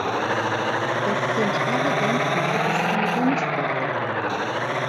Das zentrale Denkmal ist ein Rundbau.